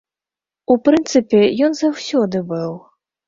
У прынцыпе, ён заўсёды быў.